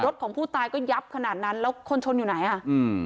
ของผู้ตายก็ยับขนาดนั้นแล้วคนชนอยู่ไหนอ่ะอืม